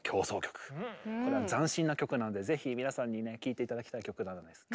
これは斬新な曲なんでぜひ皆さんにね聴いて頂きたい曲なんです。